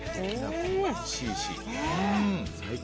おいしいし、最高。